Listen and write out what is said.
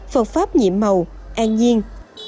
phật pháp nhịm màu an nhiên